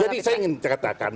jadi saya ingin dikatakan